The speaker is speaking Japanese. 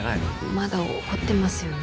まだ怒ってますよね？